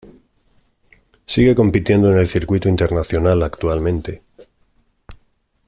Sigue compitiendo en el circuito internacional actualmente.